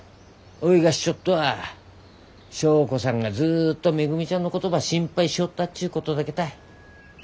おいが知っちょっとは祥子さんがずっとめぐみちゃんのことば心配しとったっちゅうことだけたい。